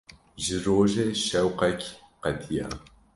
Ji rojê şewqek qetiya.